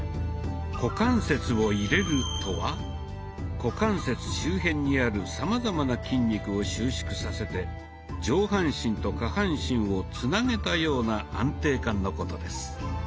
「股関節を入れる」とは股関節周辺にあるさまざまな筋肉を収縮させて上半身と下半身をつなげたような安定感のことです。